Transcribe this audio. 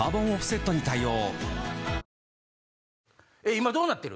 今どうなってる？